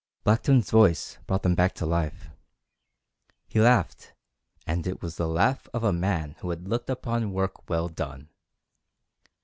Blackton's voice brought them back to life. He laughed, and it was the laugh of a man who had looked upon work well done.